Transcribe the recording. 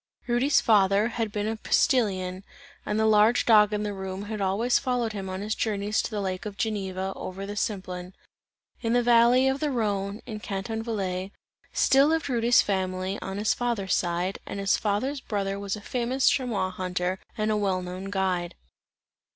Rudy's father had been a postilion, and the large dog in the room, had always followed him on his journeys to the lake of Geneva, over the Simplon. In the valley of the Rhone, in Canton Valais, still lived Rudy's family, on his father's side, and his father's brother was a famous chamois hunter and a well known guide.